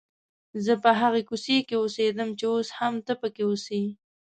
زه په هغې کوڅې کې اوسېدم چې اوس هم ته پکې اوسې.